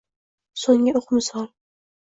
soʼnggi oʼq misol